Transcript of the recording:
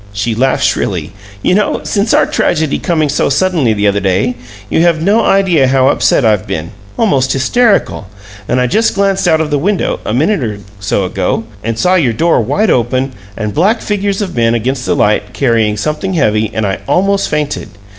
She laughed shrilly. "You know, since our tragedy coming so suddenly the other day, you have no idea how upset I've been almost hysterical! And I just glanced out of the window, a minute or so ago, and saw your door wide open and black figures of men against the light, carrying something heavy, and I almost fainted.